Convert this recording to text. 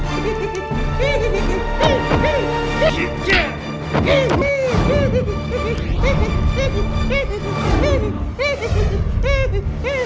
ada seorang masyarakat bersama kami